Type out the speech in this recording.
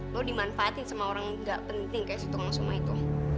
lo dimanfaatin sama orang yang gak penting kayak suto ngosuma itu